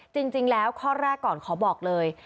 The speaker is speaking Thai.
จริงแล้วข้อแรกก่อนขอบอกเลย